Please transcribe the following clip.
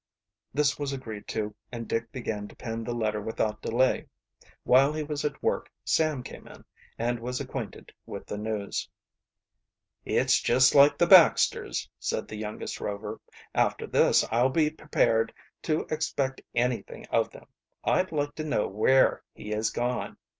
This was agreed to, and Dick began to pen the letter without delay. While he was at work Sam came in and was acquainted with the news. "It's just like the Baxters," said the youngest Rover. "After this, I'll be prepared to expect anything of them. I'd like to know where he has gone?